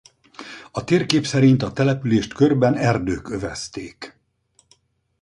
A térkép szerint a települést körben erdők övezték.